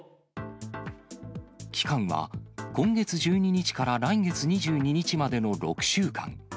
期間は、今月１２日から来月２２日までの６週間。